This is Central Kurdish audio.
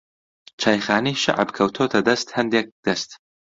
چایخانەی شەعب کەوتۆتە دەست ھەندێک دەست